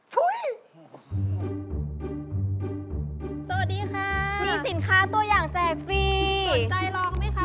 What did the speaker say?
สวัสดีค่ะ